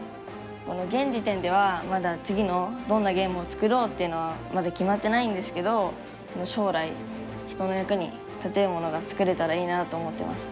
現時点ではまだ次のどんなゲームを作ろうっていうのはまだ決まってないんですけど将来人の役に立てるものが作れたらいいなと思ってます。